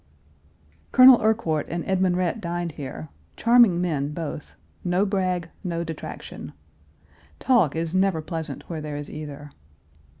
Colonel Urquhart and Edmund Rhett dined here; charming men both no brag, no detraction. Talk is never pleasant where there is either.